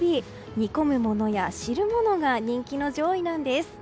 煮込むものや、汁物が人気の上位なんです。